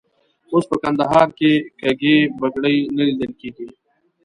اوس په کندهار کې کږې بګړۍ نه لیدل کېږي.